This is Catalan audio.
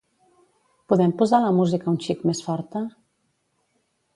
Podem posar la música un xic més forta?